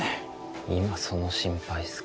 今その心配っすか？